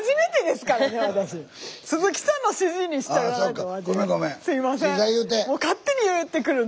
すいません。